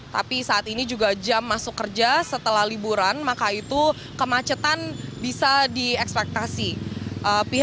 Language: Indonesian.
tapi saat ini juga jam masuk kerja setelah liburan maka itu kemacetan bisa diekspektasi